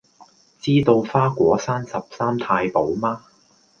知道花果山十三太保嗎